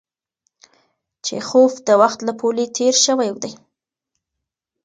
چیخوف د وخت له پولې تېر شوی دی.